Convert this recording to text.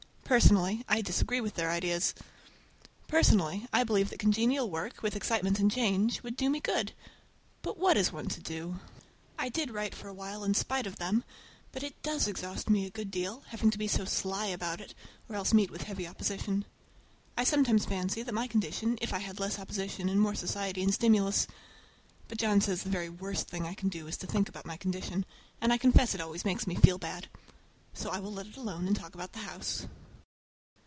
Personally, I disagree with their ideas. Personally, I believe that congenial work, with excitement and change, would do me good. But what is one to do? I did write for a while in spite of them; but it does exhaust me a good deal—having to be so sly about it, or else meet with heavy opposition. I sometimes fancy that in my condition if I had less opposition and more society and stimulus—but John says the very worst thing I can do is to think about my condition, and I confess it always makes me feel bad. So I will let it alone and talk about the house.